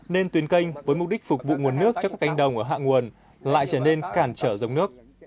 nên tuyến canh với mục đích phục vụ nguồn nước cho các cánh đồng ở hạ nguồn lại trở nên cản trở dòng nước